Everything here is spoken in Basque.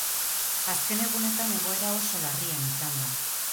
Azken egunetan egoera oso larrian izan da.